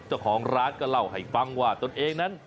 เจ้าของร้านก็เล่าให้ฟังว่าตนเองนั้น